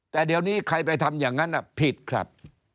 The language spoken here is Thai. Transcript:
แต่เดี๋ยวนี้ใครไปทำอย่างนั้นผิดครับ